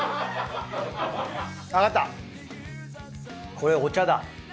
これお茶だ。